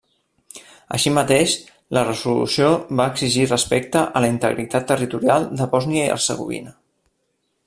Així mateix, la resolució va exigir respecte a la integritat territorial de Bòsnia i Hercegovina.